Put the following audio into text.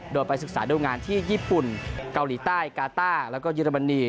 โดยไปศึกษาดูงานที่ญี่ปุ่นเกาหลีใต้กาต้าแล้วก็เยอรมนี